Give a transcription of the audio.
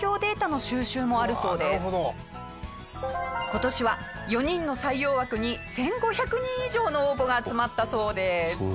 今年は４人の採用枠に１５００人以上の応募が集まったそうです。